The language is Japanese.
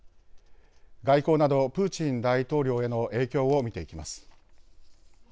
外交など、プーチン大統領への影響を見ていきます。